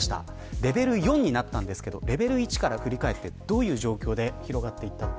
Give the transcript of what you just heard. レベル４になりましたがレベル１から振り返ってどういう状況で広がっていったのか。